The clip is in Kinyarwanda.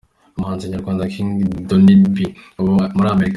Umuhanzi nyarwanda King Donny B uba muri Amerika.